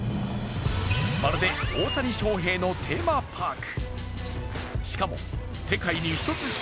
まるで大谷翔平のテーマパーク。